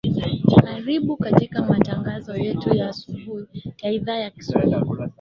aribu katika matangazo yetu ya asubuhi ya idhaa ya kiswahili